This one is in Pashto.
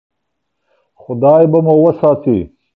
خدای به مو وساتي.